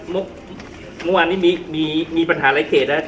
เมื่อวานนี้มีปัญหาไร่เขตนะ